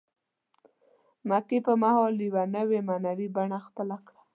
مکې په مهال یوه نوې معنوي بڼه خپله کړه.